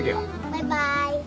バイバーイ。